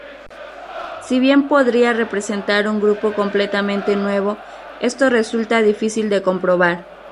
Si bien podría representar un grupo completamente nuevo, esto resulta difícil de comprobar.